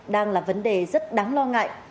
đang là vấn đề rất đáng lo ngại